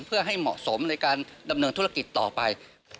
เพื่อให้เหมาะสมในการดำเนินธุรกิจต่อไป